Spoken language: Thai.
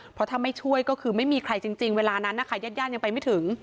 เพราะถ้าไม่ช่วยก็คือไม่มีใครจริงเวลานั้นนะคะญาติญาติยังไปไม่ถึง